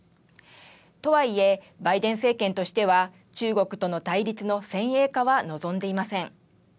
とはいえ、バイデン政権としては中国との対立の先鋭化は望んでいません。